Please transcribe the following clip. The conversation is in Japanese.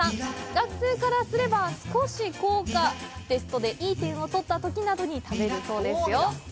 学生からすれば少し高価、テストでいい点を取ったときなどに食べるそうです。